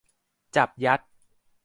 จับยัด